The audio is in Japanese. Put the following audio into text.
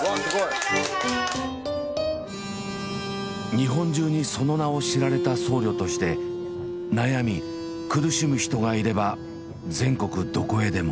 日本中にその名を知られた僧侶として悩み苦しむ人がいれば全国どこへでも。